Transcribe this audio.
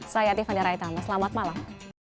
saya tiffany raitama selamat malam